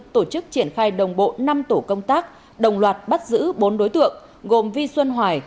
tổ chức triển khai đồng bộ năm tổ công tác đồng loạt bắt giữ bốn đối tượng gồm vi xuân hoài